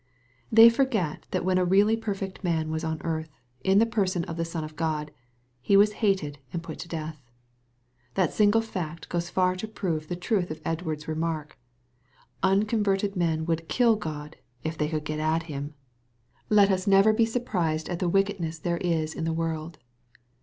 They forget that when a really perfect man was on earth, in the person of the Son of God, He was hated and put to death. That single fact goes far to prove the truth of Edwards' remark,— un converted men would kill God, if they could get at Him." 388 KO»OSlTOfiT THOUGHTS. Let U8 nerer be surprised at the wickedness there is in the world.